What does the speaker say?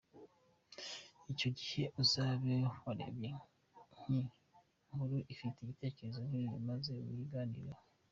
icyo gihe uzabe warebye nki nkuru ifite igitekerezo nkiki maze muyiganireho.